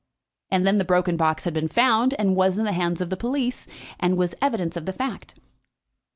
And then the broken box had been found, and was in the hands of the police, and was evidence of the fact.